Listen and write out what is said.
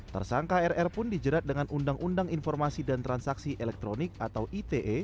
tersangka rr pun dijerat dengan undang undang informasi dan transaksi elektronik atau ite